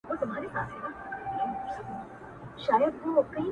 ښــــه دى چي نه دى د قومونـــو پـــــاچـــــا-